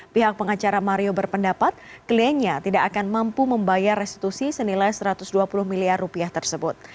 pihak pengacara mario berpendapat kliennya tidak akan mampu membayar restitusi senilai satu ratus dua puluh miliar rupiah tersebut